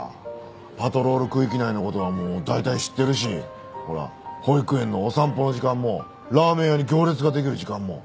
パトロール区域内の事はもう大体知ってるしほら保育園のお散歩の時間もラーメン屋に行列ができる時間も。